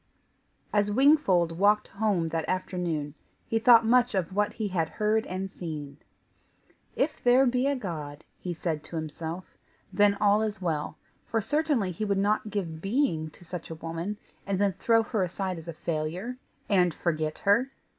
As Wingfold walked home that afternoon, he thought much of what he had heard and seen. "If there be a God," he said to himself, "then all is well, for certainly he would not give being to such a woman, and then throw her aside as a failure, and forget her.